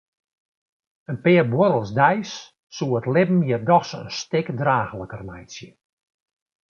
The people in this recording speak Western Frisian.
In pear buorrels deis soe it libben hjir dochs in stik draachliker meitsje.